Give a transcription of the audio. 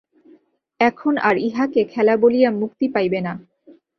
এখন আর ইহাকে খেলা বলিয়া মুক্তি পাইবে না।